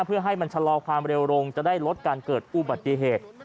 เพื่อให้มันชะลอความเร็วลงจะได้ลดการเกิดอุบัติเหตุ